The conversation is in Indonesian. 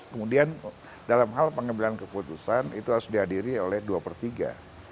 kemudian dalam hal pengambilan keputusan itu harus dihadiri oleh dua per tiga